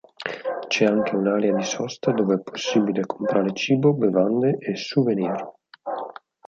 C'è anche un'area di sosta dove è possibile comprare cibo, bevande e souvenir.